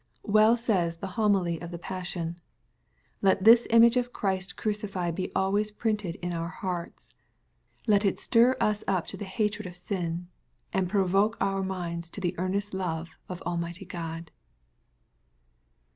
Well says the Homily of the Passion, " Let this image of Christ crucified be always printed in our hearts. Let it stir us up to the hatred of sin, and provoke our minds to the earnest love of Almighty God."